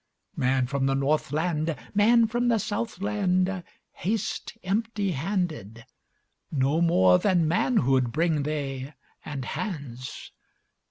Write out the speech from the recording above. Man from the Northland, Man from the Southland, Haste empty handed; No more than manhoodBring they, and hands.